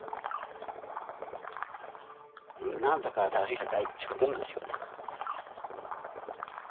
なんとか新しい社会つくるんですよね。